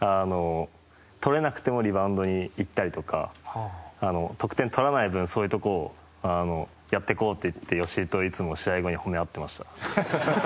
とれなくてもリバウンドにいったりとか得点取らない分そういうところをやってこうって吉井と試合後に褒め合ってました。